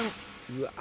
うわ。